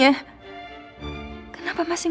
kamu nggak usah maksa nino